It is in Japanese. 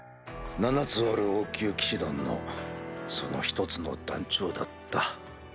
７つある王宮騎士団のその１つの団長だった。